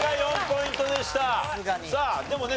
さあでもね